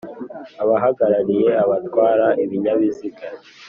abahagarariye abatwara ibinyabiziga;